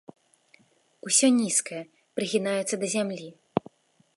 Усё нізкае, прыгінаецца да зямлі.